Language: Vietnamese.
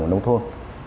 ở nông thôn